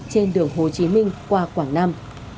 trên đường hồ chí minh qua quảng nam